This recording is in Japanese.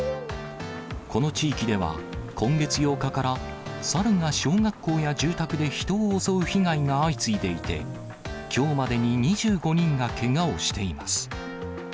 この地域では、今月８日から、サルが小学校や住宅で人を襲う被害が相次いでいて、きょうまでに２５人がけがをしています。